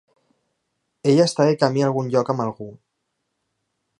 Ella està de camí a algun lloc, amb algú.